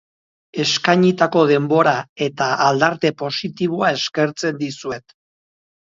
Eskainitako denbora eta aldarte positiboa eskertzen dizuet.